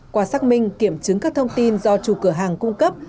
qua xác minh kiểm chứng các thông tin do chủ cửa hàng cung cấp